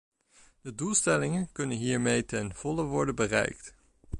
De doelstellingen kunnen hiermee ten volle worden bereikt.